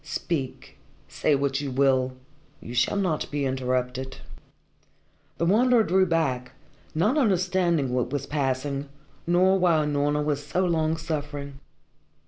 Speak say what you will. You shall not be interrupted." The Wanderer drew back, not understanding what was passing, nor why Unorna was so long suffering.